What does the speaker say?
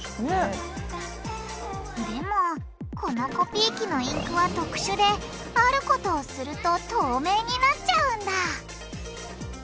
でもこのコピー機のインクは特殊であることをすると透明になっちゃうんだ！